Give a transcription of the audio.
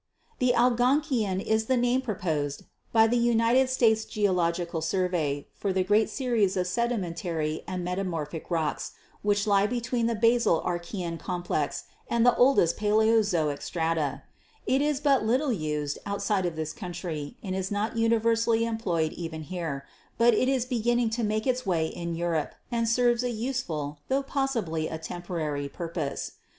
"The Algonkian is the name proposed by the United States Geological Survey for the great series of sedimen tary and metamorphic rocks which lie between the basal Archsean complex and the oldest Paleozoic strata ; it is but little used outside of this country and is not universally employed even here, but it is beginning to make its way in Europe and serves a useful, tho possibly a temporary, pur pose.